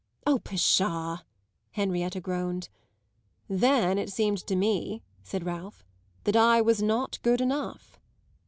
"Oh pshaw!" Henrietta groaned. "Then it seemed to me," said Ralph, "that I was not good enough."